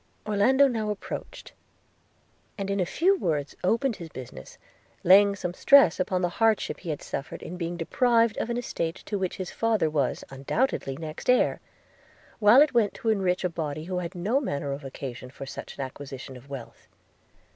Orlando now approached, and in a few words opened his business, laying some stress upon the hardships he had suffered in being deprived of an estate to which his father was undoubtedly next heir, while it went to enrich a body who had no manner of occasion for such an acquisition of wealth.